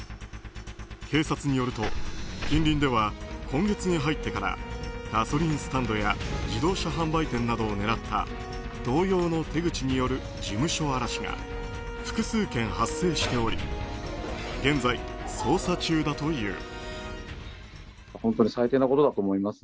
警察によると、近隣では今月に入ってからガソリンスタンドや自動車販売店などを狙った同様の手口による事務所荒らしが複数件発生しており現在、捜査中だという。